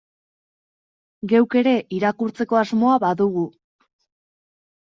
Geuk ere irakurtzeko asmoa badugu.